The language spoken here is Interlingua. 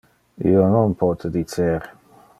Io non pote dicer.